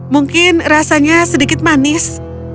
mungkin rasanya sedikit manis